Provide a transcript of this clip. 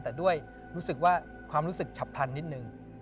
แต่ด้วยรู้สึกว่าความรู้สึกฉับพันนิดนึง